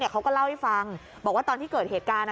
เขาก็เล่าให้ฟังบอกว่าตอนที่เกิดเหตุการณ์